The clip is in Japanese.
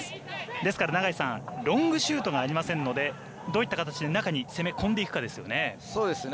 ですから、ロングシュートがありませんのでどういった形で中に攻め入っていくかですね。